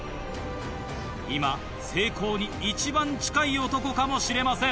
今成功に一番近い男かもしれません。